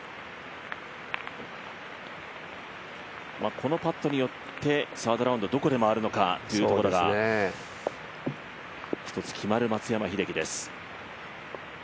このパットによってサードラウンドどこで回るのかというところがひとつ決まる松山英樹で。